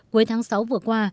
cuối tháng sáu vừa qua